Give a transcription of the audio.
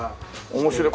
面白い。